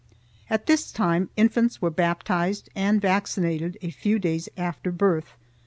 At this time infants were baptized and vaccinated a few days after birth.